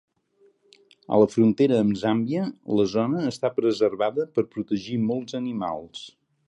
A la frontera amb Zàmbia, la zona està preservada per a protegir molts animals.